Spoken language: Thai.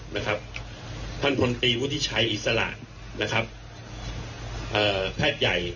นะครับท่านพลตรีวุฒิชัยอิสระนะครับเอ่อแพทย์ใหญ่